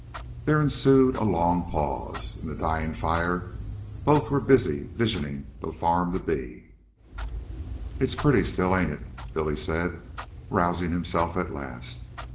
There ensued a long pause. In the dying fire both were busy visioning the farm to be. "It's pretty still, ain't it?" Billy said, rousing himself at last.